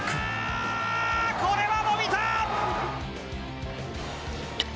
これは伸びた！